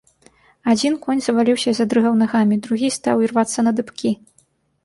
Адзін конь заваліўся і задрыгаў нагамі, другі стаў ірвацца на дыбкі.